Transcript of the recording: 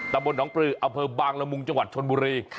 ตะบนหนองปลืออำเภอบางละมุงจังหวัดชนบุรี